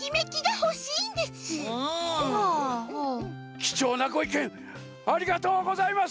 きちょうなごいけんありがとうございます。